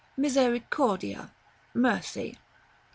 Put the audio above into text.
Misericordia. Mercy.